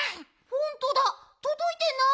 ほんとだとどいてない。